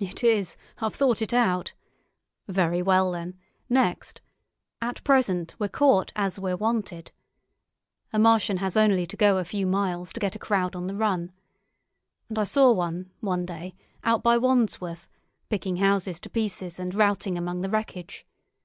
"It is; I've thought it out. Very well, then—next; at present we're caught as we're wanted. A Martian has only to go a few miles to get a crowd on the run. And I saw one, one day, out by Wandsworth, picking houses to pieces and routing among the wreckage.